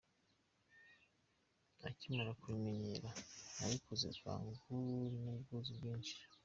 Akimara kubinyemerera, nabikoze bwangu n’ubwuzu bwinshi.